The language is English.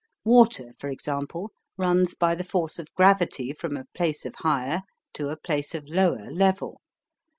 'Water, for example, runs by the force of gravity from a place of higher to a place of lower level.